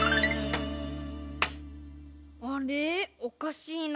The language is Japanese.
あれおかしいな？